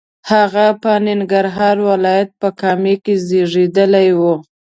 هغه په ننګرهار ولایت په کامه کې زیږېدلی و.